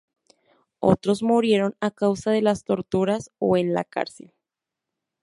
Otros murieron a causa de las torturas o en la cárcel.